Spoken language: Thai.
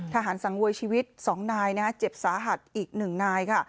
ทหารสังวัยชีวิต๒นายเจ็บสาหัสอีก๑นาย